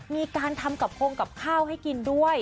มีการทำกับโครงกับข้าวให้กินด้วย